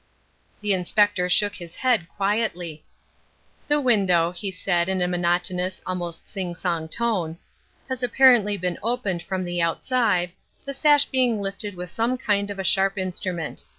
The Inspector shook his head quietly. "The window," he said in a monotonous, almost sing song tone, "has apparently been opened from the outside, the sash being lifted with some kind of a sharp instrument.